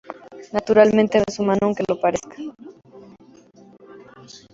Naturalmente, no es humano, aunque lo parezca.